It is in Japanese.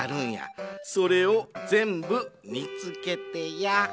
それをぜんぶみつけてや。